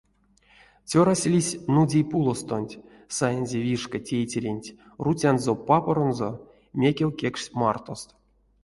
Цёрась лиссь нудей пулостонть, саинзе вишка тейтеренть руцянзо-папаронзо, мекев кекшсь мартост.